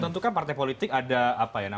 tentukan partai politik ada